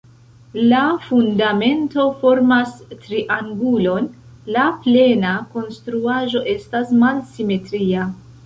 La fundamento formas triangulon, la plena konstruaĵo estas malsimetria.